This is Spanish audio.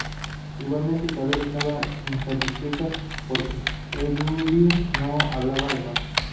Igualmente Isabel estaba insatisfecha, porque Eduviges no hablaba alemán.